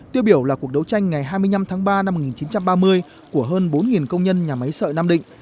tiêu biểu là cuộc đấu tranh ngày hai mươi năm tháng ba năm một nghìn chín trăm ba mươi của hơn bốn công nhân nhà máy sợi nam định